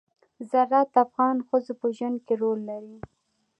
زراعت د افغان ښځو په ژوند کې رول لري.